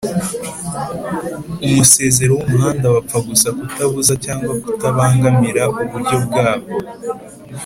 umusezero w umuhanda bapfa gusa kutabuza cyangwa kutabangamira uburyo bwabo